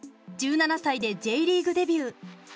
１７歳でＪリーグデビュー。